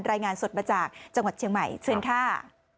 รายงานสดมาจากจังหวัดเชียงใหม่เชิญค่ะ